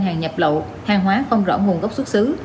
hàng nhập lậu hàng hóa không rõ nguồn gốc xuất xứ